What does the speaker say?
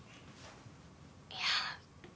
いや。